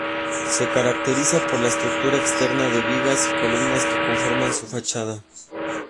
Se caracteriza por la estructura externa de vigas y columnas que conforman su fachada.